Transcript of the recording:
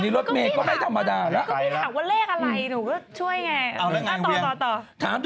รถเมธไปกันใหญ่ไหม